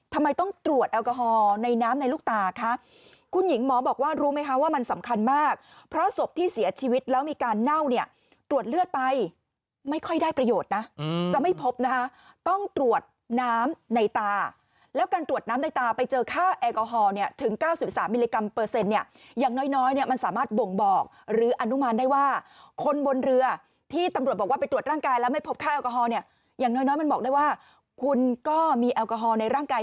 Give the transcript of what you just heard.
ทำไมต้องตรวจแอลกอฮอล์ในน้ำในลูกตาคะคุณหญิงหมอบอกว่ารู้ไหมคะว่ามันสำคัญมากเพราะสมที่เสียชีวิตแล้วมีการเน่าเนี่ยตรวจเลือดไปไม่ค่อยได้ประโยชน์นะจะไม่พบนะคะต้องตรวจน้ำในตาแล้วการตรวจน้ำในตาไปเจอค่าแอลกอฮอล์เนี่ยถึง๙๓มิลลิกรัมเปอร์เซ็นต์เนี่ยอย่างน้อยเนี่ยมันสามารถบ่